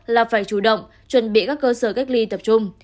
là phải chủ động chuẩn bị các cơ sở cách ly tập trung